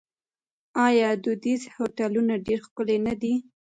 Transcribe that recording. آیا دودیز هوټلونه ډیر ښکلي نه دي؟